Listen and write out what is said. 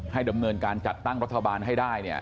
ให้ดำเนินการจัดตั้งรัฐบาลให้ได้